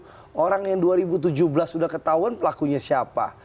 kalau orang yang dua ribu tujuh belas sudah ketahuan pelakunya siapa